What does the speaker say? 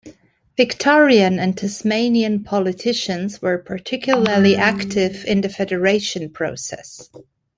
Victorian and Tasmanian politicians were particularly active in the Federation process.